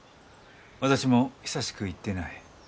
私も久しく行っていない。